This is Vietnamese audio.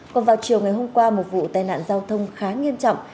còn vào chiều ngày hôm qua một vụ tai nạn giao thông khá nghiêm trọng